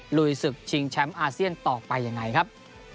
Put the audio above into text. ลุยศึกชิงแชมป์อาเซียนต่อไปยังไงครับ